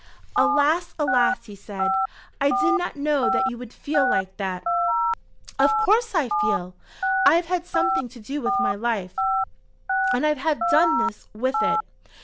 "Alas! alas!" he said. "I did not know that you would feel like that." "Of course I feel. I have had something to do with my life, and I have done this with it!